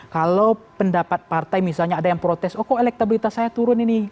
kalau pendapat partai misalnya ada yang protes oh kok elektabilitas saya turun ini